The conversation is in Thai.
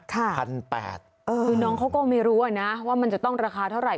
คือน้องเขาก็ไม่รู้นะว่ามันจะต้องราคาเท่าไห